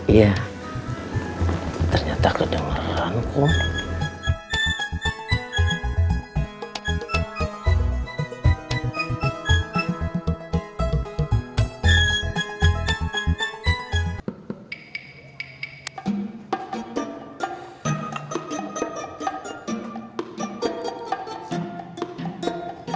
iya ternyata kedengeran kum